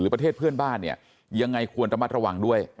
ประเทศเพื่อนบ้านเนี่ยยังไงควรระมัดระวังด้วย